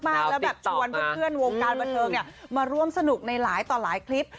แล้วแบบชวนเพื่อนวงการบันเทิงมาร่วมสนุกในหลายต่อหลายคลิป